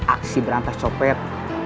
aksi berantas copet